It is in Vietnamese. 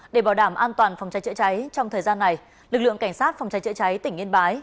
để bảo đảm an toàn phòng cháy chữa cháy trong thời gian này lực lượng cảnh sát phòng cháy chữa cháy tỉnh yên bái